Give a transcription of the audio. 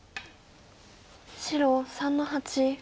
白３の八。